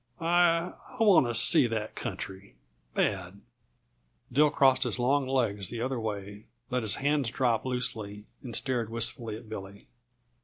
I I want to see that country, bad." Dill crossed his long legs the other way, let his hands drop loosely, and stared wistfully at Billy.